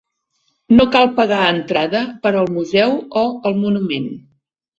No cal pagar entrada per al museu o el monument.